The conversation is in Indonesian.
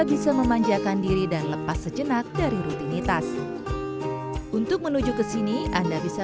bisa memanjakan diri dan lepas sejenak dari rutinitas untuk menuju ke sini anda bisa